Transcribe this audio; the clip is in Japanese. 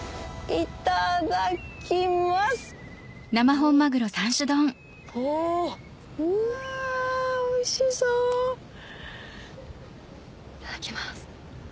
いただきます。